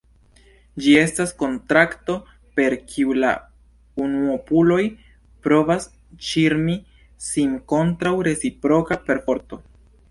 Ĝi estas kontrakto, per kiu la unuopuloj provas ŝirmi sin kontraŭ reciproka perforto.